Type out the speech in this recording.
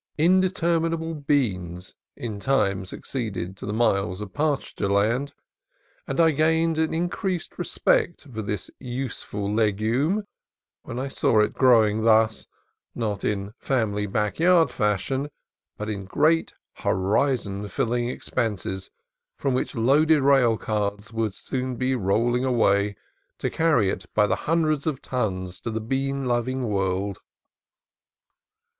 Interminable beans in time succeeded to the miles of pasture land, and I gained an increased respect for the useful legume when I saw it growing thus, not in family back yard fashion, but in great horizon filling expanses from which loaded railroad cars would soon be rolling away to carry it by the hundreds of tons to the bean loving world.